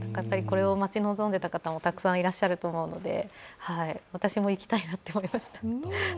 これを待ち望んでいた方もたくさんいらっしゃると思うので私も行きたいなと思いました。